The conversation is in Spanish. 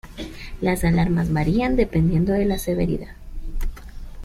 Las alarmas varían dependiendo de la severidad.